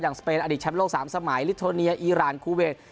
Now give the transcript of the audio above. อย่างสเปนอดีตชั้นโลก๓สมัยลิทรโนเนียอีรานคูเวน